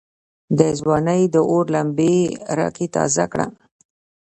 دځوانۍ داور لمبي را کې تازه کړه